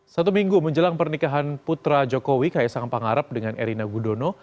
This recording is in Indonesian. satu minggu menjelang pernikahan putra jokowi kaisang pangarep dengan erina gudono